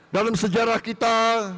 dalam sejarah kita